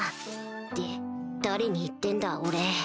って誰に言ってんだ俺。